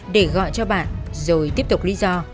để gọi cho bạn rồi tiếp tục lý do